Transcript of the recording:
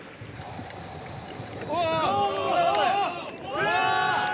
うわ！